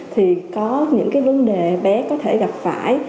thì có những cái vấn đề bé có thể gặp phải